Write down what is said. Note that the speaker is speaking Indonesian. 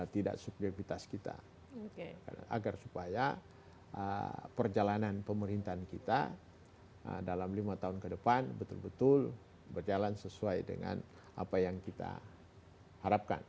tidak subjektifitas kita agar supaya perjalanan pemerintahan kita dalam lima tahun ke depan betul betul berjalan sesuai dengan apa yang kita harapkan